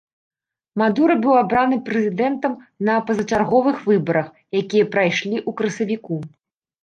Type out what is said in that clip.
Мадура быў абраны прэзідэнтам на пазачарговых выбарах, якія прайшлі ў красавіку.